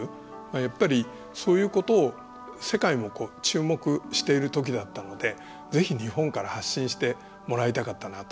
やっぱり、そういうことを世界も注目しているときだったのでぜひ、日本から発信してもらいたかったなと。